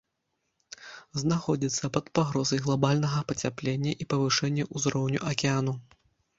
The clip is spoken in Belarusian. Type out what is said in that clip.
Знаходзяцца пад пагрозай глабальнага пацяплення і павышэння ўзроўню акіяну.